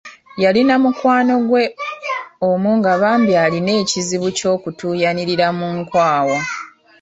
Yalina mukwano gwe omu nga bambi alina ekizibu ky'okutuuyanirira mu nkwawa.